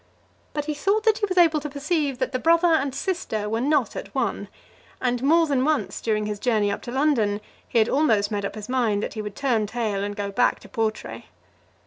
But he thought that he was able to perceive that the brother and sister were not at one, and more than once during his journey up to London he had almost made up his mind that he would turn tail and go back to Portray.